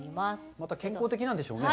また健康的なんでしょうね。